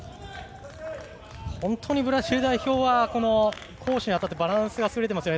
本当にブラジル代表は攻守にわたってバランスが優れていますね。